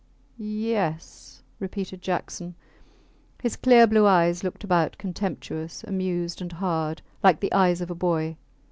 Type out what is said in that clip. Ye e es, repeated Jackson. His clear blue eyes looked about, contemptuous, amused and hard, like the eyes of a boy.